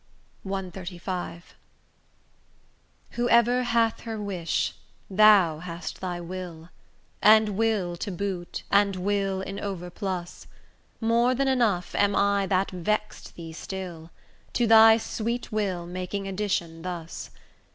CXXXV Whoever hath her wish, thou hast thy 'Will,' And 'Will' to boot, and 'Will' in over plus; More than enough am I that vex'd thee still, To thy sweet will making addition thus.